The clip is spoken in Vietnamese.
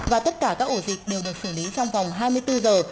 và tất cả các ổ dịch đều được xử lý trong vòng hai mươi bốn giờ